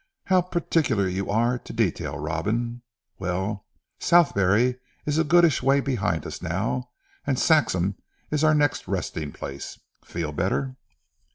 "How particular you are as to detail Robin. Well, Southberry is a goodish way behind us now and Saxham is our next resting place. Feel better?"